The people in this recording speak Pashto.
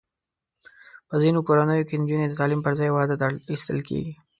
په ځینو کورنیو کې نجونې د تعلیم پر ځای واده ته اړ ایستل کېږي.